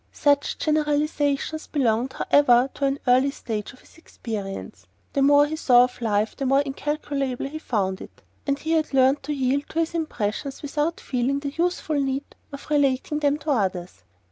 Such generalisations belonged, however, to an earlier stage of his experience. The more he saw of life the more incalculable he found it; and he had learned to yield to his impressions without feeling the youthful need of relating them to others.